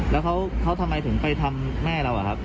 แล้วเขาทำไมถึงไปทำแม่เราอะครับ